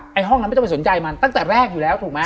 ห้องนั้นไม่ต้องไปสนใจมันตั้งแต่แรกอยู่แล้วถูกไหม